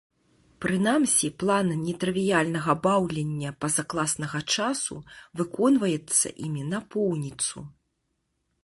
Прынамсі, план нетрывіяльнага баўлення пазакласнага часу выконваецца імі напоўніцу.